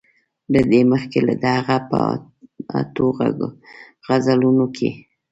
له دې مخکې د هغه په اتو غزلونو کې.